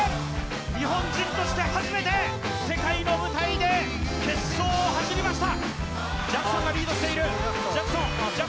日本人として初めて世界の舞台で決勝を走りました。